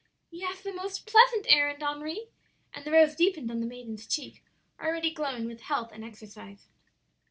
"'Yes; a most pleasant errand, Henri;' and the rose deepened on the maiden's cheek, already glowing with health and exercise.